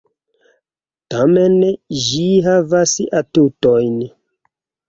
Tamen ĝi havas atutojn...